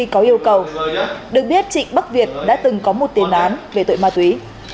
có yêu cầu được biết trịnh bắc việt đã từng có một tiền án về tội ma túy